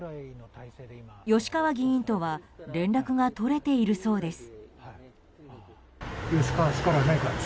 吉川議員とは連絡が取れているそうです。